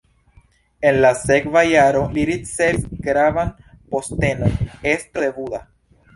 En la sekva jaro li ricevis gravan postenon: estro de Buda.